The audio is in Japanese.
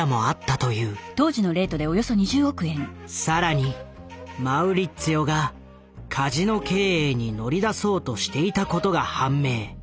更にマウリッツィオがカジノ経営に乗り出そうとしていたことが判明。